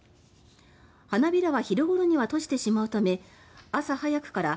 花びらは昼ごろには閉じてしまうため朝早くから